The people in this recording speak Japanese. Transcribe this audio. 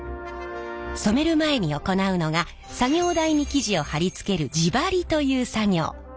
染める前に行うのが作業台に生地を貼り付ける地貼りという作業。